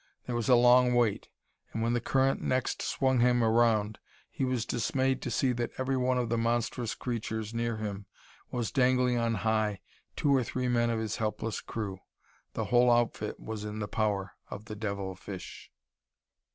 There was a long wait, and when the current next swung him around he was dismayed to see that every one of the monstrous creatures near him was dangling on high two or three men of his helpless crew. The whole outfit was in the power of the devil fish!